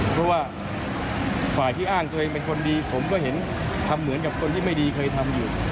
เพราะว่าฝ่ายที่อ้างตัวเองเป็นคนดีผมก็เห็นทำเหมือนกับคนที่ไม่ดีเคยทำอยู่